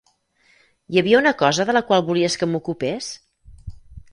Hi havia una cosa de la qual volies que m'ocupés?